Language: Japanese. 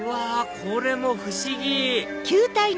これも不思議！